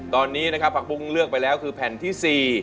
ตอนนี้นะครับผักบุ้งเลือกไปแล้วคือแผ่นที่๔